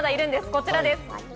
こちらです。